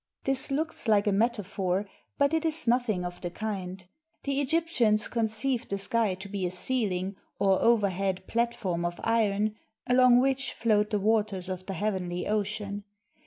This looks like a metaphor; but it is nothing of the kind. The Egyptians conceived the sky to be a ceiling, or overhead platform of iron, along which flowed the waters of the heavenly ocean.